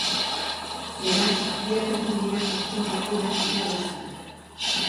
Beraz, biak heltzen dira azken partida irabazita.